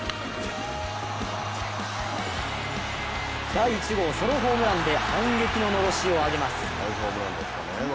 第１号ソロホームランで反撃ののろしを上げます。